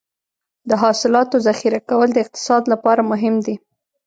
د حاصلاتو ذخیره کول د اقتصاد لپاره مهم دي.